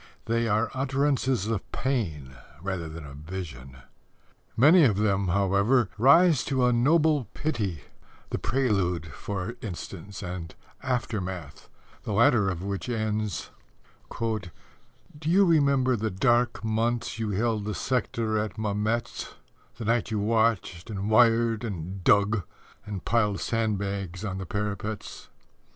They are utterances of pain rather than of vision. Many of them, however, rise to a noble pity The Prelude, for instance, and Aftermath, the latter of which ends: Do you remember the dark months you held the sector at Mametz, The night you watched and wired and dug and piled sandbags on parapets?